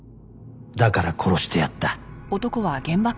だから殺してやった